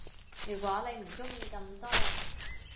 如果你唔鐘意咁多人